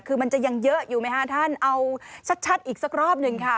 คือมันจะยังเยอะอยู่ไหมคะท่านเอาชัดอีกสักรอบหนึ่งค่ะ